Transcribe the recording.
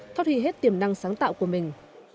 phát huy hết tiềm năng sáng tạo của mình